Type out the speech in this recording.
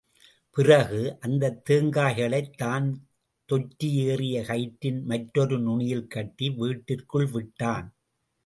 பிறகு, அந்தத் தேங்காய்களைத் தான் தொற்றி ஏறிய கயிற்றின் மற்றொரு நுனியில் கட்டி, வீட்டிற்குள் விட்டான்.